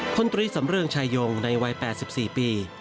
คนตุริสำเรื่องชายงในวัย๘๔ปี